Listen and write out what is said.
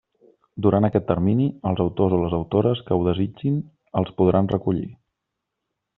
Durant aquest termini, els autors o les autores que ho desitgin els podran recollir.